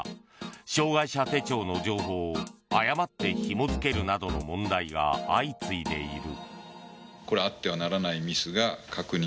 障害者手帳の情報を誤ってひも付けるなどの問題が相次いでいる。